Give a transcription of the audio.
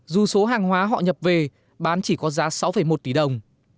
dù số hàng hóa họ nhập về bán chỉ có giá sáu một tỷ đồng